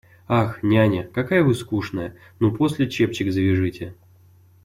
Ах, няня, какая вы скучная, ну, после чепчик завяжете!